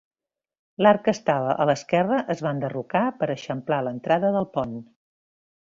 L'arc que estava a l'esquerra es va enderrocar per eixamplar l'entrada del pont.